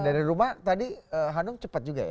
dari rumah tadi hanum cepat juga ya